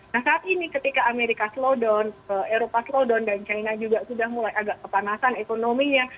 nah saat ini ketika amerika slow down eropa slodon dan china juga sudah mulai agak kepanasan ekonominya